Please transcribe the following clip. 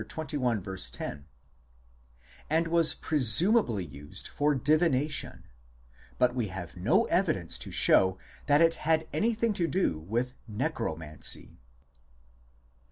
10, and was presumably used for divination ; but we have no evidence to show that it had anything to do with Necro mancy.